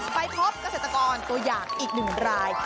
ไปพบเกษตรกรตัวอย่างอีกหนึ่งราย